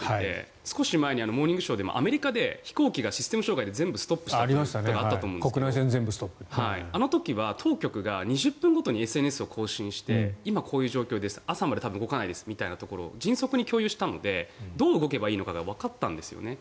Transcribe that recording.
少し前に「モーニングショー」でアメリカで飛行機がシステム障害で全部ストップしてっていうのがあったと思うんですがあの時は当局が２０分ごとにＳＮＳを更新して今、こういう状況です多分朝まで動かないですというように迅速に共有したのでどう動けばいいかがわかったんですね。